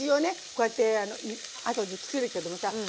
こうやってあとで作るけどもさあ。